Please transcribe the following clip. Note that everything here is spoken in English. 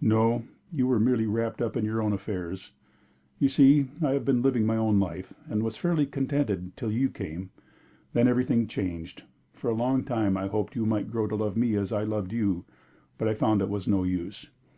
"No, you were merely wrapped up in your own affairs. You see, I had been living my own life, and was fairly contented till you came; then everything changed. For a long time I hoped you might grow to love me as I loved you, but I found it was no use.